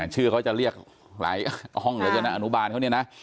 ชื่อเขาจะเรียกหลายห้องเหลือเกินนะอนุบาลเขาเนี่ยนะ